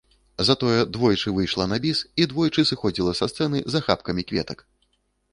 Затое двойчы выйшла на біс і двойчы сыходзіла са сцэны з ахапкамі кветак.